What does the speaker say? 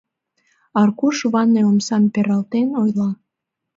Аркуш ванный омсам пералтен ойла: